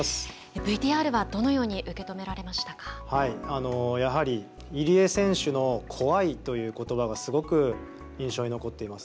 ＶＴＲはやはり入江選手の怖いということばがすごく印象に残っています。